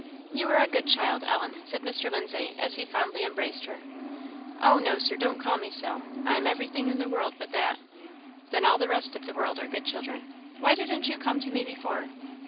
"You are a good child, Ellen," said Mr. Lindsay as he fondly embraced her. "Oh no, Sir! don't call me so; I am everything in the world but that." "Then all the rest of the world are good children. Why didn't you come to me before?"